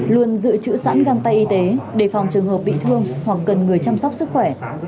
luôn giữ chữ sẵn găng tay y tế đề phòng trường hợp bị thương hoặc cần người chăm sóc sức khỏe